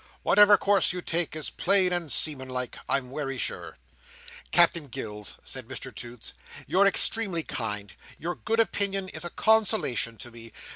Wotever course you take, is plain and seamanlike, I'm wery sure." "Captain Gills," said Mr Toots, "you're extremely kind. Your good opinion is a consolation to me.